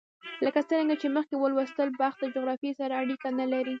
لکه څرنګه چې مخکې ولوستل، بخت له جغرافیې سره اړیکه نه لري.